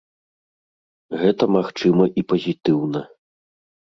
Гэта магчыма і пазітыўна.